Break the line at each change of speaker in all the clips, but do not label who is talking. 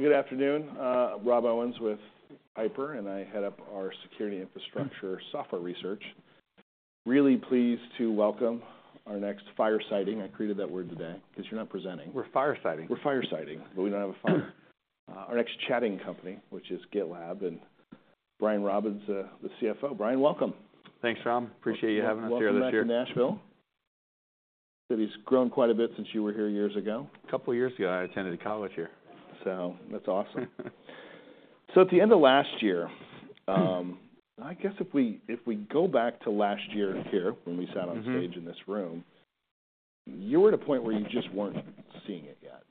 Good afternoon, Rob Owens with Piper, and I head up our security infrastructure software research. Really pleased to welcome our next firesighting. I created that word today 'cause you're not presenting.
We're firesighting.
We're firesighting, but we don't have a fire. Our next chatting company, which is GitLab, and Brian Robins, the CFO. Brian, welcome.
Thanks, Rob. Appreciate you having us here this year.
Welcome back to Nashville. City's grown quite a bit since you were here years ago.
A couple years ago, I attended a conference here.
So that's awesome. So at the end of last year, I guess if we, if we go back to last year here, when we sat-
Mm-hmm...
on stage in this room, you were at a point where you just weren't seeing it yet,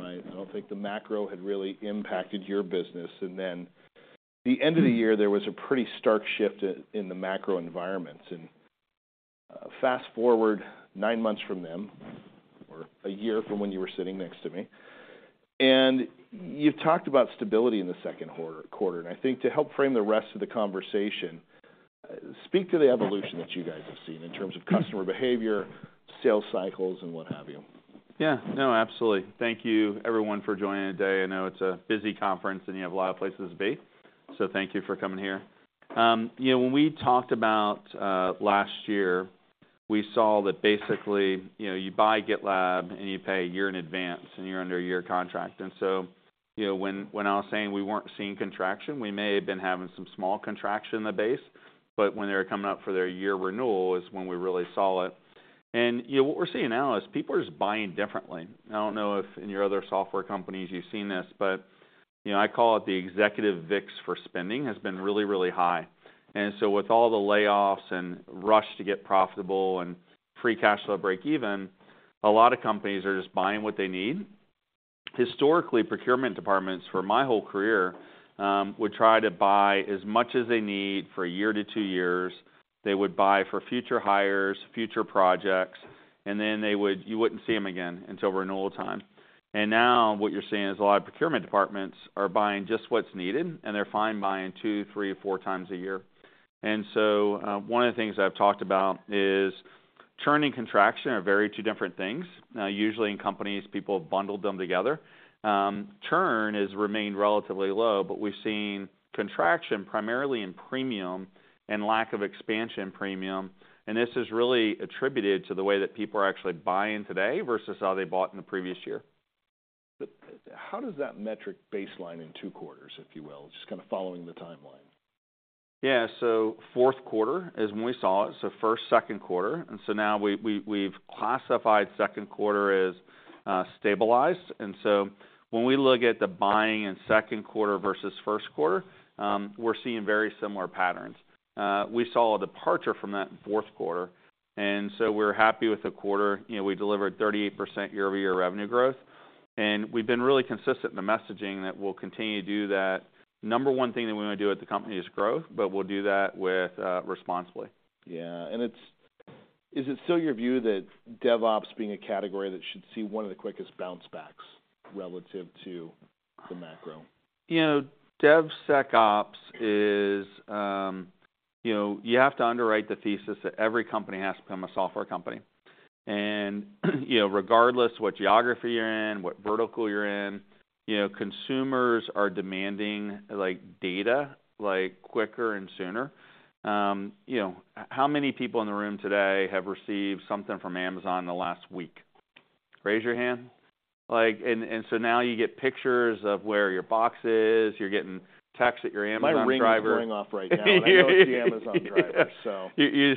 right? I don't think the macro had really impacted your business, and then the end of the year, there was a pretty stark shift in the macro environment. Fast-forward nine months from then, or a year from when you were sitting next to me, and you've talked about stability in the second quarter. I think to help frame the rest of the conversation, speak to the evolution that you guys have seen in terms of customer behavior, sales cycles, and what have you.
Yeah. No, absolutely. Thank you, everyone, for joining today. I know it's a busy conference, and you have a lot of places to be, so thank you for coming here. You know, when we talked about last year, we saw that basically, you know, you buy GitLab, and you pay a year in advance, and you're under a year contract. And so, you know, when I was saying we weren't seeing contraction, we may have been having some small contraction in the base, but when they were coming up for their year renewal is when we really saw it. And, you know, what we're seeing now is people are just buying differently. I don't know if in your other software companies you've seen this, but, you know, I call it the executive VIX for spending has been really, really high. And so with all the layoffs and rush to get profitable and free cash flow break even, a lot of companies are just buying what they need. Historically, procurement departments for my whole career would try to buy as much as they need for a year to two years. They would buy for future hires, future projects, and then they would—you wouldn't see them again until renewal time. And now what you're seeing is a lot of procurement departments are buying just what's needed, and they're fine buying two, three, or four times a year. And so one of the things I've talked about is churn and contraction are very two different things. Usually in companies, people have bundled them together. Churn has remained relatively low, but we've seen contraction primarily in Premium and lack of expansion Premium, and this is really attributed to the way that people are actually buying today versus how they bought in the previous year.
How does that metric baseline in two quarters, if you will, just kind of following the timeline?
Yeah. So fourth quarter is when we saw it, so first, second quarter, and so now we've classified second quarter as stabilized. And so when we look at the buying in second quarter versus first quarter, we're seeing very similar patterns. We saw a departure from that in fourth quarter, and so we're happy with the quarter. You know, we delivered 38% year-over-year revenue growth, and we've been really consistent in the messaging that we'll continue to do that. Number one thing that we wanna do at the company is growth, but we'll do that with responsibly.
Yeah. And it's... Is it still your view that DevOps being a category that should see one of the quickest bounce backs relative to the macro?
You know, DevSecOps is. You know, you have to underwrite the thesis that every company has to become a software company. And, you know, regardless what geography you're in, what vertical you're in, you know, consumers are demanding, like, data, like, quicker and sooner. You know, how many people in the room today have received something from Amazon in the last week? Raise your hand. Like, and, and so now you get pictures of where your box is. You're getting texts that your Amazon driver-
My Ring is going off right now. And I know it's the Amazon driver, so.
You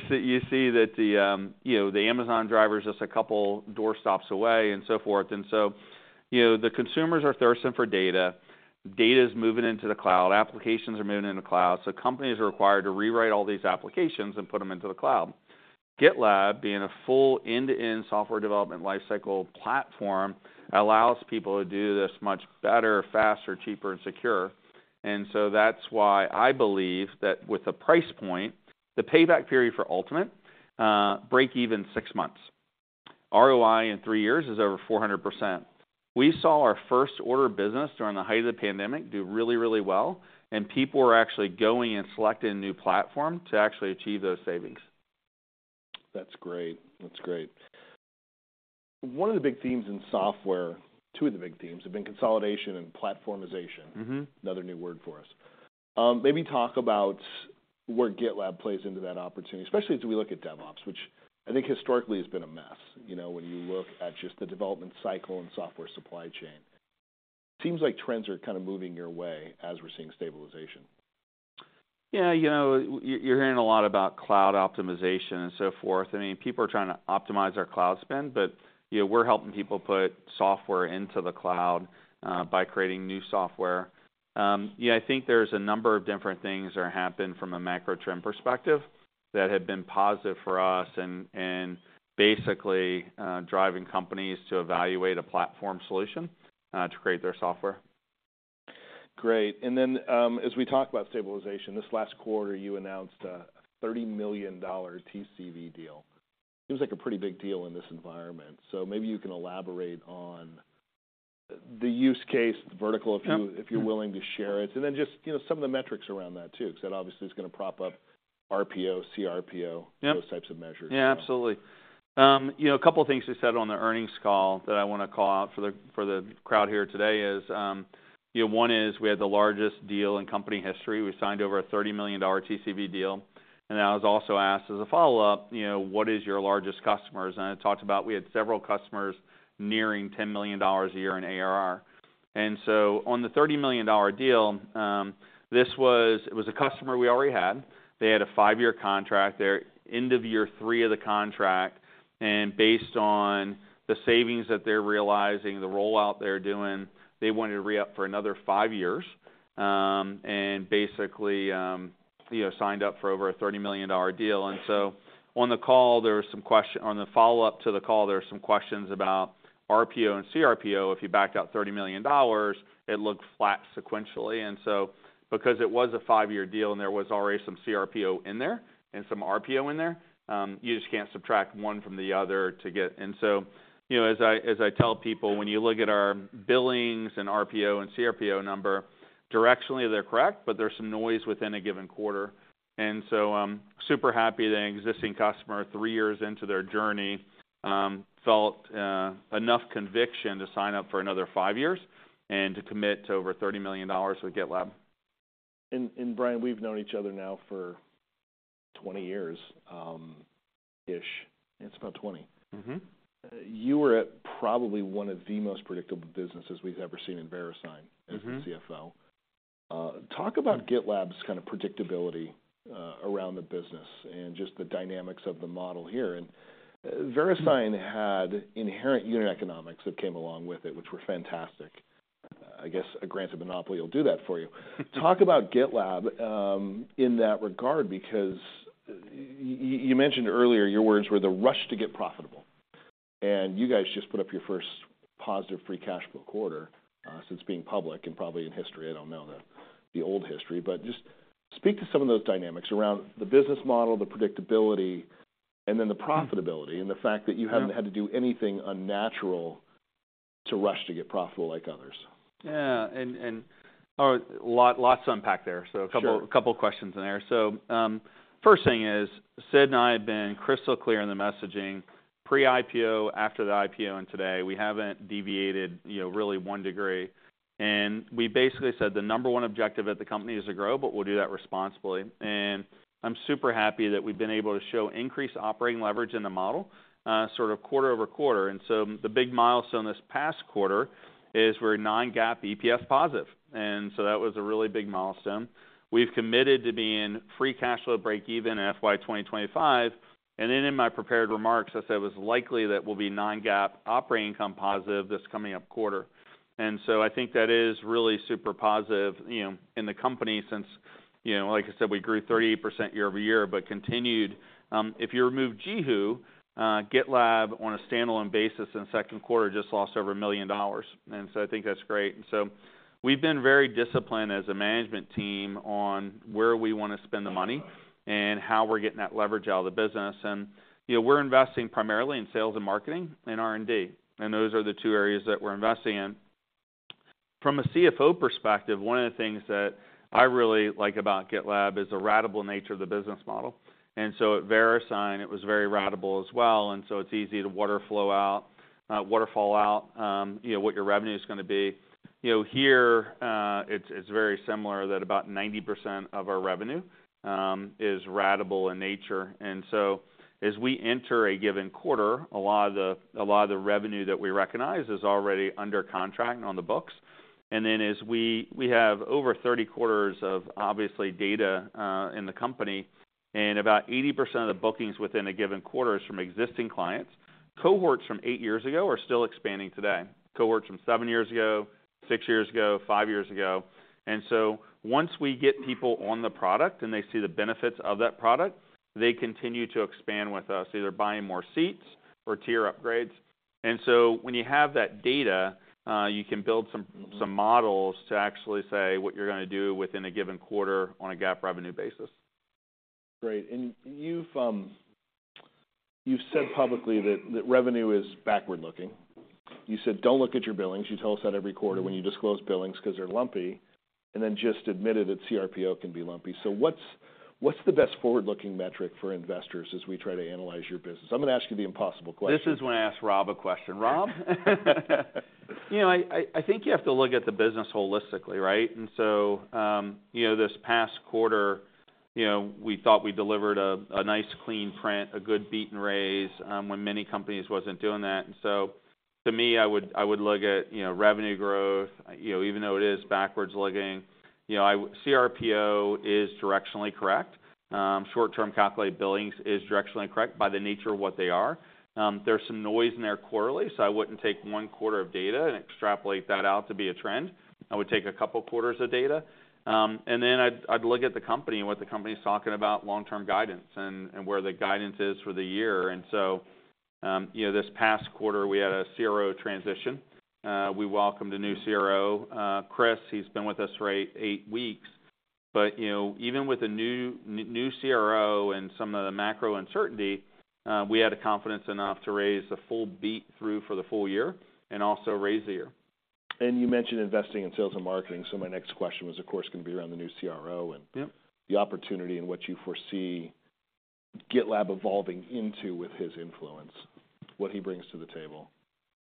see that the, you know, the Amazon driver is just a couple doorsteps away and so forth. And so, you know, the consumers are thirsting for data. Data is moving into the cloud. Applications are moving in the cloud. So companies are required to rewrite all these applications and put them into the cloud. GitLab, being a full end-to-end software development lifecycle platform, allows people to do this much better, faster, cheaper, and secure. And so that's why I believe that with the price point, the payback period for Ultimate, break even six months. ROI in three years is over 400%. We saw our first order of business during the height of the pandemic do really, really well, and people were actually going and selecting a new platform to actually achieve those savings.
That's great. That's great. One of the big themes in software, two of the big themes, have been consolidation and platformization.
Mm-hmm.
Another new word for us. Maybe talk about where GitLab plays into that opportunity, especially as we look at DevOps, which I think historically has been a mess. You know, when you look at just the development cycle and software supply chain, seems like trends are kind of moving your way as we're seeing stabilization.
Yeah, you know, you're hearing a lot about cloud optimization and so forth. I mean, people are trying to optimize our cloud spend, but, you know, we're helping people put software into the cloud, by creating new software. Yeah, I think there's a number of different things that happened from a macro trend perspective that have been positive for us and, and basically, driving companies to evaluate a platform solution, to create their software.
Great. And then, as we talk about stabilization, this last quarter, you announced a $30 million TCV deal. Seems like a pretty big deal in this environment, so maybe you can elaborate on the use case, the vertical-
Yeah...
if you're willing to share it, and then just, you know, some of the metrics around that too, 'cause that obviously is gonna prop up ... RPO, CRPO-
Yep.
Those types of measures.
Yeah, absolutely. You know, a couple things you said on the earnings call that I want to call out for the crowd here today is, you know, one is we had the largest deal in company history. We signed over a $30 million TCV deal, and I was also asked, as a follow-up, you know, "What is your largest customers?" And I talked about we had several customers nearing $10 million a year in ARR. And so on the $30 million deal, this was a customer we already had. They had a five-year contract. They're end of year 3 of the contract, and based on the savings that they're realizing, the rollout they're doing, they wanted to re-up for another five years, and basically, you know, signed up for over a $30 million deal. And so, on the follow-up to the call, there were some questions about RPO and CRPO. If you backed out $30 million, it looked flat sequentially. Because it was a five-year deal, and there was already some CRPO in there and some RPO in there, you just can't subtract one from the other to get... You know, as I tell people, when you look at our billings and RPO and CRPO number, directionally, they're correct, but there's some noise within a given quarter. I'm super happy that an existing customer, three years into their journey, felt enough conviction to sign up for another five years and to commit to over $30 million with GitLab.
And Brian, we've known each other now for 20 years, ish. It's about 20.
Mm-hmm.
You were at probably one of the most predictable businesses we've ever seen in Verisign-
Mm-hmm...
as the CFO. Talk about GitLab's kind of predictability around the business and just the dynamics of the model here. And Verisign had inherent unit economics that came along with it, which were fantastic. I guess, a granted monopoly will do that for you. Talk about GitLab in that regard, because you mentioned earlier, your words were, "The rush to get profitable." And you guys just put up your first positive Free Cash Flow quarter since being public and probably in history. I don't know the old history. But just speak to some of those dynamics around the business model, the predictability, and then the profitability, and the fact that you-
Yeah...
haven't had to do anything unnatural to rush to get profitable like others.
Yeah, lots to unpack there, so-
Sure...
couple, couple questions in there. So, first thing is, Sid and I have been crystal clear in the messaging pre-IPO, after the IPO, and today, we haven't deviated, you know, really one degree. And we basically said the number one objective at the company is to grow, but we'll do that responsibly. And I'm super happy that we've been able to show increased operating leverage in the model, sort of quarter-over-quarter. And so the big milestone this past quarter is we're non-GAAP EPS positive, and so that was a really big milestone. We've committed to being free cash flow breakeven in FY 2025. And then in my prepared remarks, I said it was likely that we'll be non-GAAP operating income positive this coming up quarter. I think that is really super positive, you know, in the company since, you know, like I said, we grew 38% year-over-year, but if you remove JiHu, GitLab, on a standalone basis in the second quarter, just lost over $1 million, and so I think that's great. We've been very disciplined as a management team on where we want to spend the money and how we're getting that leverage out of the business. You know, we're investing primarily in sales and marketing and R&D, and those are the two areas that we're investing in. From a CFO perspective, one of the things that I really like about GitLab is the ratable nature of the business model. And so at Verisign, it was very ratable as well, and so it's easy to water flow out, waterfall out, you know, what your revenue is gonna be. You know, here, it's, it's very similar that about 90% of our revenue is ratable in nature. And so as we enter a given quarter, a lot of the, a lot of the revenue that we recognize is already under contract and on the books. And then as we, we have over 30 quarters of, obviously, data in the company, and about 80% of the bookings within a given quarter is from existing clients. Cohorts from eight years ago are still expanding today, cohorts from seven years ago, six years ago, five years ago. And so once we get people on the product and they see the benefits of that product, they continue to expand with us, either buying more seats or tier upgrades. And so when you have that data, you can build some-
Mm-hmm...
some models to actually say what you're gonna do within a given quarter on a GAAP revenue basis.
Great. And you've said publicly that revenue is backward-looking. You said, "Don't look at your billings." You tell us that every quarter when you disclose billings because they're lumpy, and then just admitted that CRPO can be lumpy. So what's the best forward-looking metric for investors as we try to analyze your business? I'm gonna ask you the impossible question.
This is when I ask Rob a question. Rob? You know, I think you have to look at the business holistically, right? And so, you know, this past quarter, you know, we thought we delivered a nice, clean print, a good beat and raise, when many companies wasn't doing that. And so to me, I would look at, you know, revenue growth, you know, even though it is backwards-looking. You know, CRPO is directionally correct. Short-term calculated billings is directionally correct by the nature of what they are. There's some noise in there quarterly, so I wouldn't take one quarter of data and extrapolate that out to be a trend. I would take a couple quarters of data, and then I'd look at the company and what the company is talking about long-term guidance and where the guidance is for the year. And so, you know, this past quarter, we had a CRO transition. We welcomed a new CRO, Chris. He's been with us for eight weeks. But, you know, even with a new CRO and some of the macro uncertainty, we had the confidence enough to raise the full beat through for the full year and also raise the year. ...
And you mentioned investing in sales and marketing, so my next question was, of course, going to be around the new CRO and-
Yep.
The opportunity and what you foresee GitLab evolving into with his influence, what he brings to the table?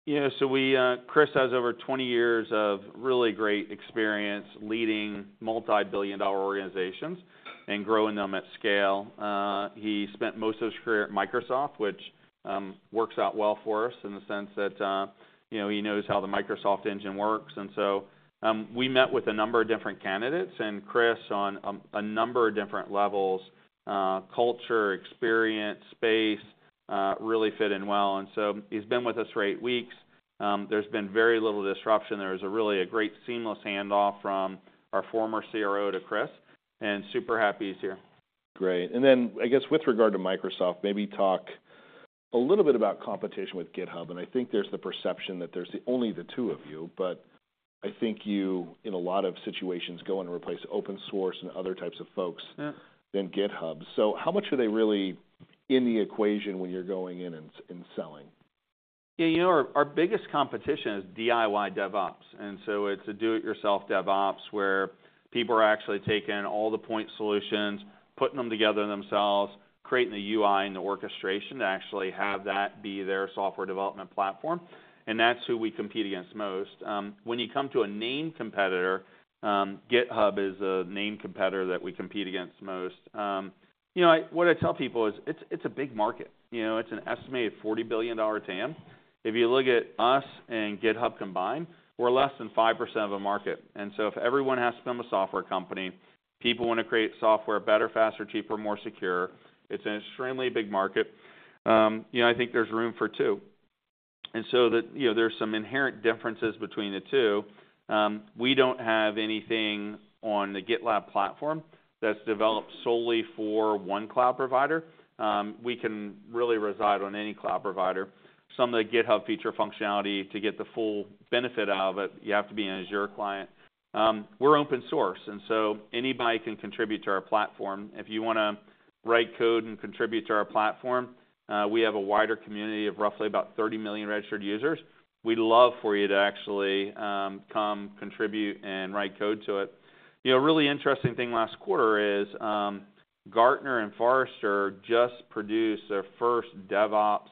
Yeah, so we, Chris has over 20 years of really great experience leading multi-billion dollar organizations and growing them at scale. He spent most of his career at Microsoft, which works out well for us in the sense that, you know, he knows how the Microsoft engine works. And so, we met with a number of different candidates, and Chris, on a number of different levels, culture, experience, space, really fit in well. And so he's been with us for eight weeks, there's been very little disruption. There was a really great seamless handoff from our former CRO to Chris, and super happy he's here.
Great. And then, I guess, with regard to Microsoft, maybe talk a little bit about competition with GitHub. And I think there's the perception that there's only the two of you, but I think you, in a lot of situations, go in and replace open source and other types of folks-
Yeah
- than GitHub. So how much are they really in the equation when you're going in and selling?
Yeah, you know, our, our biggest competition is DIY DevOps, and so it's a do-it-yourself DevOps, where people are actually taking all the point solutions, putting them together themselves, creating the UI and the orchestration to actually have that be their software development platform, and that's who we compete against most. When you come to a named competitor, GitHub is a named competitor that we compete against most. You know, I, what I tell people is it's, it's a big market. You know, it's an estimated $40 billion TAM. If you look at us and GitHub combined, we're less than 5% of the market. And so if everyone has to become a software company, people want to create software better, faster, cheaper, more secure. It's an extremely big market. You know, I think there's room for two. And so the... You know, there are some inherent differences between the two. We don't have anything on the GitLab platform that's developed solely for one cloud provider. We can really reside on any cloud provider. Some of the GitHub feature functionality, to get the full benefit out of it, you have to be an Azure client. We're open source, and so anybody can contribute to our platform. If you want to write code and contribute to our platform, we have a wider community of roughly about 30 million registered users. We'd love for you to actually come contribute and write code to it. You know, a really interesting thing last quarter is, Gartner and Forrester just produced their first DevOps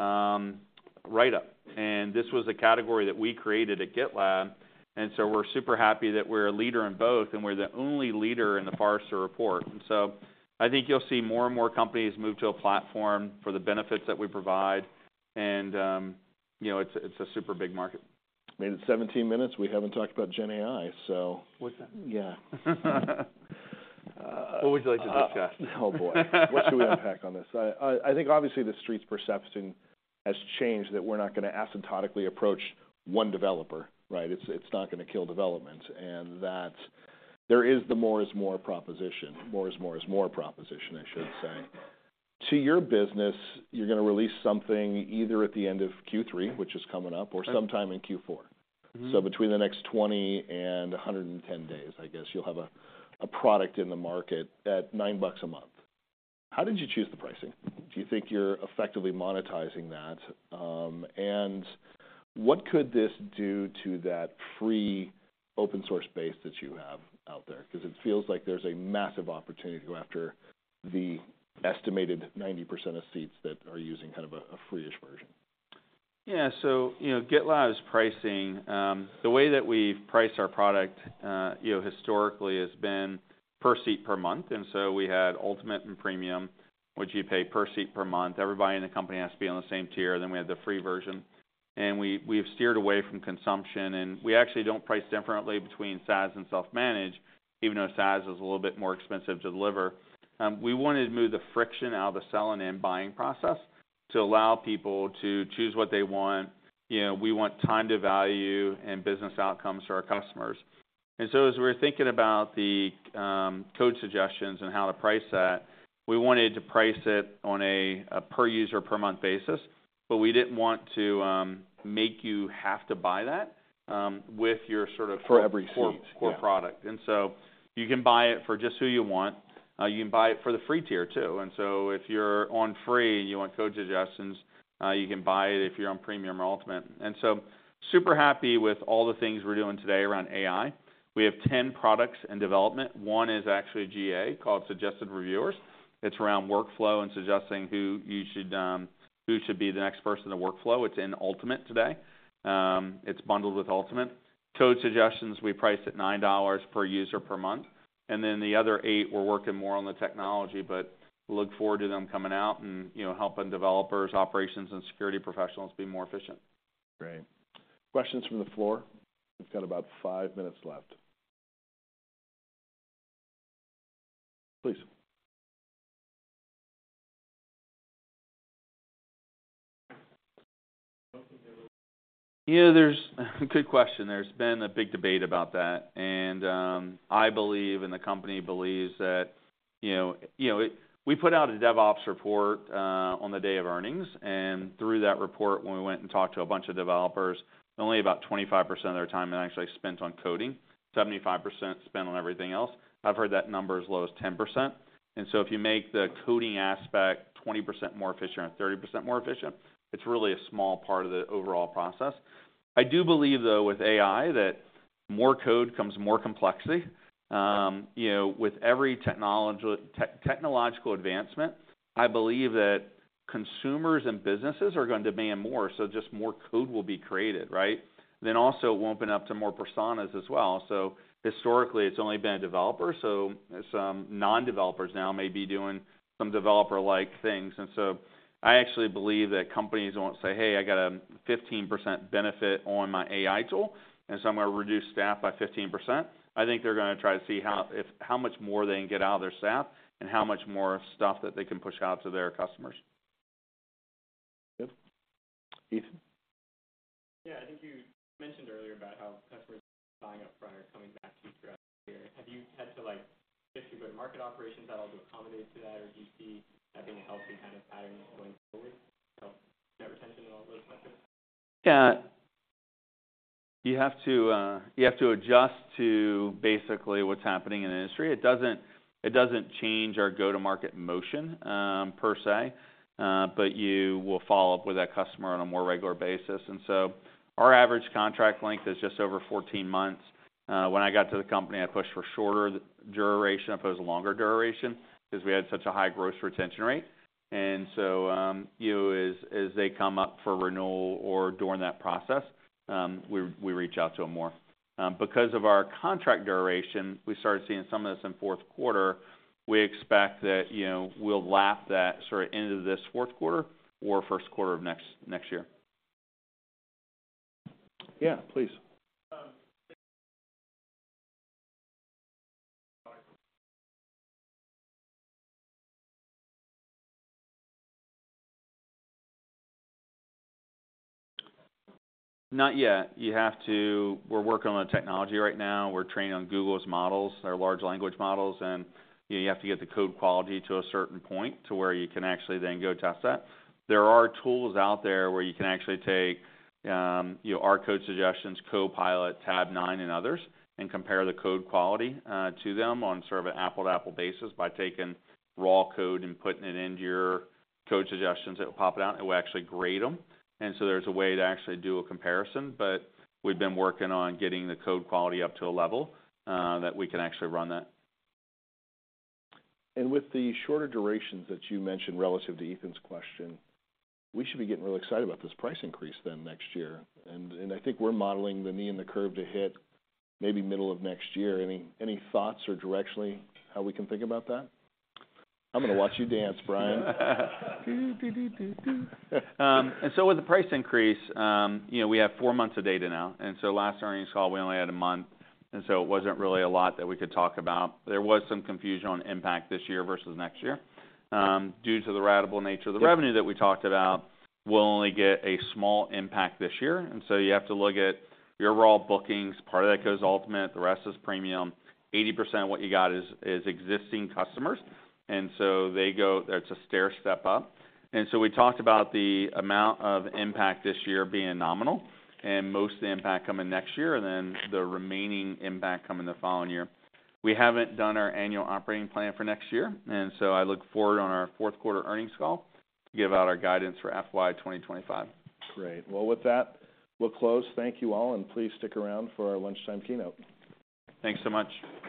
writeup, and this was a category that we created at GitLab, and so we're super happy that we're a leader in both, and we're the only leader in the Forrester report. And so I think you'll see more and more companies move to a platform for the benefits that we provide, and, you know, it's a, it's a super big market.
I mean, it's 17 minutes, we haven't talked about GenAI, so-
What's that?
Yeah.
What would you like to discuss?
Oh, boy. What should we unpack on this? I think obviously the street's perception has changed, that we're not going to asymptotically approach one developer, right? It's not going to kill development, and that there is the more is more proposition. More is more is more proposition, I should say. To your business, you're going to release something either at the end of Q3, which is coming up, or sometime in Q4.
Mm-hmm.
So between the next 20 and 110 days, I guess, you'll have a product in the market at $9 a month. How did you choose the pricing? Do you think you're effectively monetizing that? And what could this do to that free open source base that you have out there? Because it feels like there's a massive opportunity to go after the estimated 90% of seats that are using kind of a free-ish version.
Yeah. So, you know, GitLab's pricing, the way that we've priced our product, you know, historically, has been per seat per month. And so we had Ultimate and Premium, which you pay per seat per month. Everybody in the company has to be on the same tier. Then we had the free version, and we, we've steered away from consumption, and we actually don't price differently between SaaS and Self-Managed, even though SaaS is a little bit more expensive to deliver. We wanted to move the friction out of the selling and buying process to allow people to choose what they want. You know, we want time to value and business outcomes for our customers. And so as we were thinking about the Code Suggestions and how to price that, we wanted to price it on a per user, per month basis, but we didn't want to make you have to buy that with your sort of-
For every seat...
core, core product.
Yeah.
And so you can buy it for just who you want. You can buy it for the free tier, too. And so if you're on free and you want Code Suggestions, you can buy it if you're on Premium or Ultimate. And so, super happy with all the things we're doing today around AI. We have 10 products in development. One is actually GA, called Suggested Reviewers. It's around workflow and suggesting who you should, who should be the next person in the workflow. It's in Ultimate today. It's bundled with Ultimate. Code Suggestions, we price at $9 per user per month. And then the other eight, we're working more on the technology, but look forward to them coming out and, you know, helping developers, operations, and security professionals be more efficient.
Great. Questions from the floor? We've got about five minutes left. Please.
Yeah, there's... Good question. There's been a big debate about that, and I believe, and the company believes that, you know, you know, we put out a DevOps report on the day of earnings, and through that report, when we went and talked to a bunch of developers, only about 25% of their time is actually spent on coding. 75% is spent on everything else. I've heard that number as low as 10%, and so if you make the coding aspect 20% more efficient or 30% more efficient, it's really a small part of the overall process. I do believe, though, with AI, that more code comes more complexity. You know, with every technological advancement, I believe that consumers and businesses are going to demand more, so just more code will be created, right? Then also, it will open up to more personas as well. So historically, it's only been a developer, so some non-developers now may be doing some developer-like things. And so I actually believe that companies won't say, "Hey, I got a 15% benefit on my AI tool, and so I'm going to reduce staff by 15%." I think they're gonna try to see how much more they can get out of their staff and how much more stuff that they can push out to their customers.
Good. Ethan?
Yeah. I think you mentioned earlier about how customers buying up front are coming back to you throughout the year. Have you had to, like, shift your go-to-market operations at all to accommodate to that? Or do you see that being a healthy kind of pattern going forward? So net retention and all those metrics.
Yeah. You have to adjust to basically what's happening in the industry. It doesn't change our go-to-market motion, per se, but you will follow up with that customer on a more regular basis. And so our average contract length is just over 14 months. When I got to the company, I pushed for shorter duration opposed to longer duration, because we had such a high gross retention rate. And so, you know, as they come up for renewal or during that process, we reach out to them more. Because of our contract duration, we started seeing some of this in fourth quarter. We expect that, you know, we'll lap that sort of into this fourth quarter or first quarter of next year.
Yeah, please.
Um,
Not yet. You have to... We're working on the technology right now. We're training on Google's models, their large language models, and, you know, you have to get the code quality to a certain point to where you can actually then go test that. There are tools out there where you can actually take, you know, our Code Suggestions, Copilot, Tabnine, and others, and compare the code quality to them on sort of an apple-to-apple basis by taking raw code and putting it into your Code Suggestions. It will pop it out, and it will actually grade them. And so there's a way to actually do a comparison, but we've been working on getting the code quality up to a level that we can actually run that.
And with the shorter durations that you mentioned, relative to Ethan's question, we should be getting really excited about this price increase then next year. And, and I think we're modeling the knee and the curve to hit maybe middle of next year. Any, any thoughts or directionally how we can think about that? I'm gonna watch you dance, Brian.
With the price increase, you know, we have four months of data now, and so last earnings call, we only had a month, and so it wasn't really a lot that we could talk about. There was some confusion on impact this year versus next year. Due to the ratable nature of the revenue that we talked about, we'll only get a small impact this year, and so you have to look at your raw bookings. Part of that goes Ultimate, the rest is Premium. 80% of what you got is existing customers, and so they go—it's a stair step up. And so we talked about the amount of impact this year being nominal, and most of the impact coming next year, and then the remaining impact coming the following year. We haven't done our annual operating plan for next year, and so I look forward on our fourth quarter earnings call to give out our guidance for FY 2025.
Great. Well, with that, we'll close. Thank you all, and please stick around for our lunchtime keynote.
Thanks so much.